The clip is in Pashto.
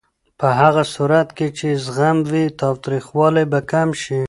په هغه صورت کې چې زغم وي، تاوتریخوالی به کم شي.